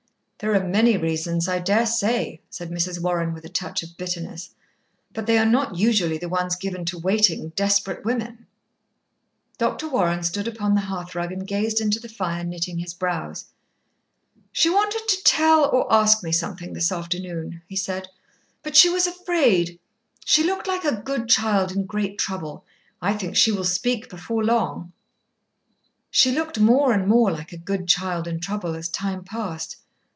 "There are many reasons, I daresay," said Mrs. Warren with a touch of bitterness," but they are not usually the ones given to waiting, desperate women." Dr. Warren stood upon the hearthrug and gazed into the fire, knitting his brows. "She wanted to tell or ask me something this afternoon," he said, "but she was afraid. She looked like a good child in great trouble. I think she will speak before long." She looked more and more like a good child in trouble as time passed.